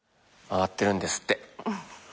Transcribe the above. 回ってるんですって。